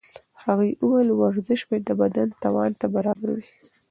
هغې وویل ورزش باید د بدن توان ته برابر وي.